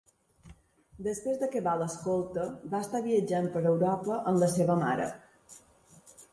Després d"acabar l"escolta, va estar viatjant per Europa amb la seva mare.